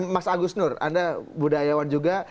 mas agus nur anda budayawan juga